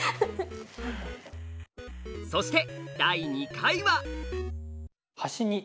そして第２回は。